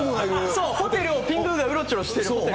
そう、ホテルをピングーがうろちょろしてるホテル。